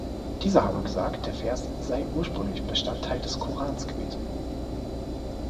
Dieser habe gesagt, der Vers sei ursprünglich Bestandteil des Korans gewesen.